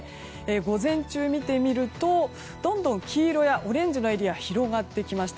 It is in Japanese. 午前中を見てみるとどんどん黄色やオレンジのエリア広がってきました。